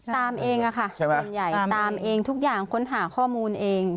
ตามเองอ่ะค่ะตามเองทุกอย่างค้นหาข้อมูลเอง